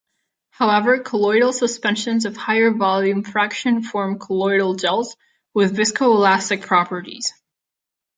However, colloidal suspensions of higher-volume fraction form colloidal gels with viscoelastic properties.